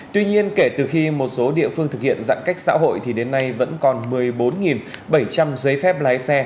tuy nhiên kể từ khi một số địa phương thực hiện giãn cách xã hội thì đến nay vẫn còn một mươi bốn bảy trăm linh giấy phép lái xe